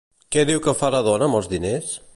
Què diu que fa la dona amb els diners?